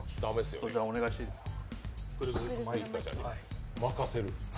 こちら、お願いしていいですか？